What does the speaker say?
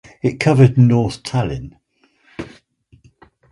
It covered north Tallinn.